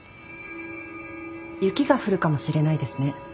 雪が降るかもしれないですね。